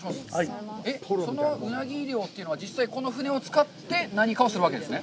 そのうなぎ漁というのは実際、この舟を使って何かをするわけですね？